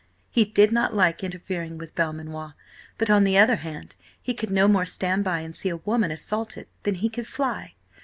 He did not like interfering with Belmanoir, but, on the other hand, he could no more stand by and see a woman assaulted than he could fly.